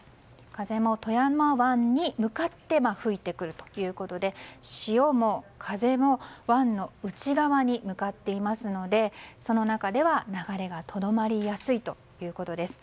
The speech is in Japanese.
風も富山湾に向かって吹いてくるということで潮も風も湾の内側に向かっていますのでその中では、流れがとどまりやすいということです。